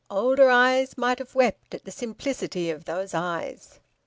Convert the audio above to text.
Older eyes might have wept at the simplicity of those eyes.